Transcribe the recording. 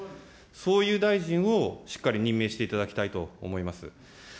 そういう大臣をしっかり任命していただきたいと思います。